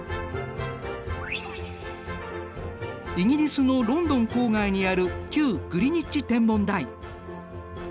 イギリスのロンドン郊外にある旧グリニッジ天文台。